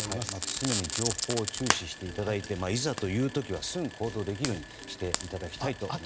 常に情報を注視していただいていざという時はすぐ行動できるようにしていただきたいと思います。